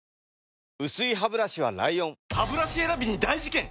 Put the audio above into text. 薄いハブラシは ＬＩＯＮハブラシ選びに大事件！